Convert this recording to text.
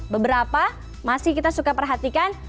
beberapa masih kita suka perhatikan